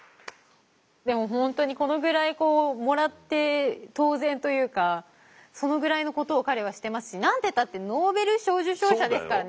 でも本当にこのぐらいもらって当然というかそのぐらいのことを彼はしてますし何てったってノーベル賞受賞者ですからね。